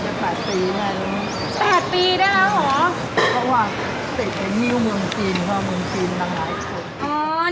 ก็ใช้แปดปีได้นะเหรอเพราะว่าตีนเนียวเมืองจีนเพราะเมืองจีนกักมากมายคน